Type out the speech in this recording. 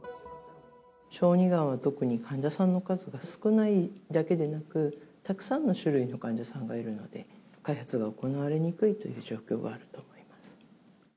小児がんは特に、患者さんの数が少ないだけでなく、たくさんの種類の患者さんがいるので、開発が行われにくいという状況があると思います。